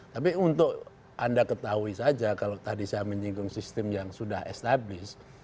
tapi untuk anda ketahui saja kalau tadi saya menyinggung sistem yang sudah established